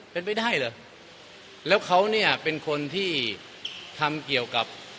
เป็นไปได้เหรอแล้วเขาเนี่ยเป็นคนที่ทำเกี่ยวกับ